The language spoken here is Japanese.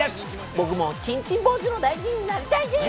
僕もちんちん坊主の大臣になりたいです！